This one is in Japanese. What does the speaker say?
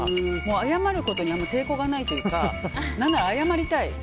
謝ることに抵抗がないというか何なら謝りたい。